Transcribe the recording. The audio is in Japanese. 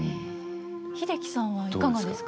英樹さんはいかがですか？